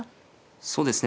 そうですね